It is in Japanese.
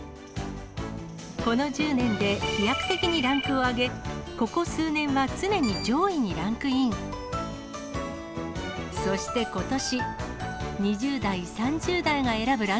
この１０年で飛躍的にランクを上げ、ここ数年は常に上位にランクイン。